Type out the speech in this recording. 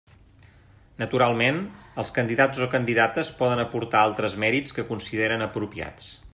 Naturalment, els candidats o candidates poden aportar altres mèrits que consideren apropiats.